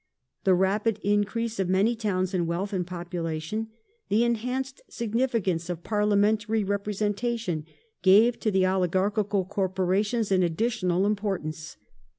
The rapid increase of many towns in wealth and popula tion, the enhanced significance of parliamentary representation, gave to the oligarchical coiporations an additional importance.